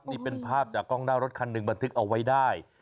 นี่เป็นภาพจากกล้องหน้ารถคันหนึ่งบันทึกเอาไว้ได้